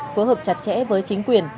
phù hợp chặt chẽ với chính quyền